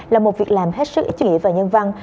là một việc làm hết sức ít chú ý vào nhân văn